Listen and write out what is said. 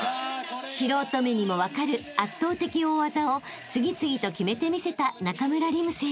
［素人目にも分かる圧倒的大技を次々と決めてみせた中村輪夢選手］